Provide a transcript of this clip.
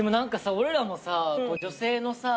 俺らもさ女性のさ